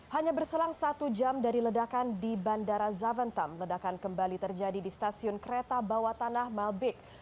hanya berselang satu jam dari ledakan di bandara zaventem ledakan kembali terjadi di stasiun kereta bawah tanah malbik